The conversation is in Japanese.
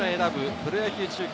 プロ野球中継